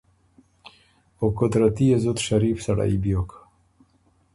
او قدرتی يې زُت شریف سړئ بیوک۔